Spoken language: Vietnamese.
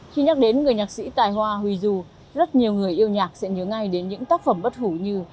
khi nhắc đến người nhạc sĩ tài hoa huy du rất nhiều người yêu nhạc sẽ nhớ ngay đến những tác phẩm bất hủ như